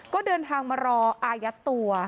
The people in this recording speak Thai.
ก็เดินทางมารออายัดตัว